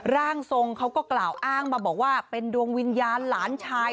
ร่างทรงเขาก็กล่าวอ้างมาบอกว่าเป็นดวงวิญญาณหลานชาย